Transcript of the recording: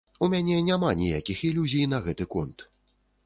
У мяне няма ніякіх ілюзій на гэты конт.